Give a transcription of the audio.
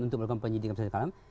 untuk melakukan penyidikan